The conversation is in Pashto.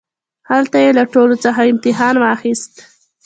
هلته يې له ټولوڅخه امتحان واخيست.